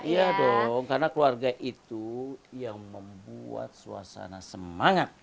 iya dong karena keluarga itu yang membuat suasana semangat